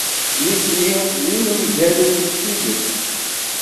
Nitni d inemgalen s tidet.